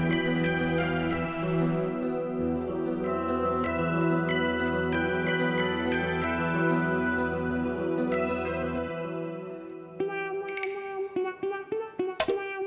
ya sayang yuk